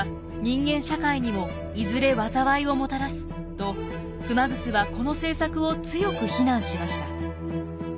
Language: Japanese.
と熊楠はこの政策を強く非難しました。